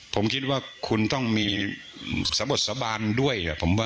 ผมคิดว่าคุณต้องมีสะบดสะบานด้วย